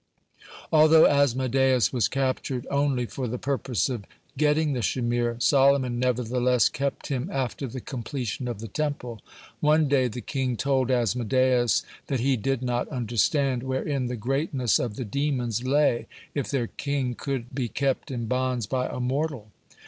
Although Asmodeus was captured only for the purpose of getting the shamir, Solomon nevertheless kept him after the completion of the Temple. One day the king told Asmodeus that he did not understand wherein the greatness of the demons lay, if their king could be kept in bonds by a mortal.